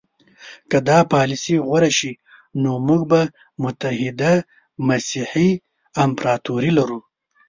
که دا پالیسي غوره شي نو موږ به متحده مسیحي امپراطوري لرو.